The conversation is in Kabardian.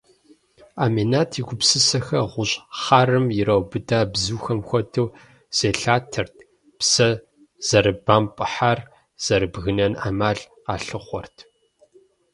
Ӏэминат и гупсысэхэр гъущӏ хъарым ираубыда бзухэм хуэдэу зелъатэрт, псэ зэрыбэмпӏыхьар зэрабгынэн ӏэмал къалъыхъуэрт.